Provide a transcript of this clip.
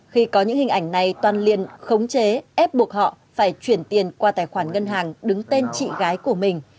khi có những hình ảnh này toàn liên khống chế ép buộc họ phải chuyển tiền qua tài khoản ngân hàng đứng tên chị gái của mình